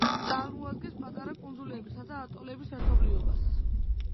წარმოადგენს პატარა კუნძულებისა და ატოლების ერთობლიობას.